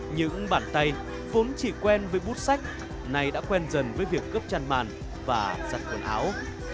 những bản tay vốn chỉ quen với bút sách nay đã quen dần với việc gấp chân màn và giặt quần áo